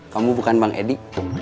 kamu bukan bang edi